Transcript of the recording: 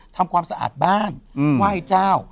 ทำความสะอาดบ้านไหว้เจ้า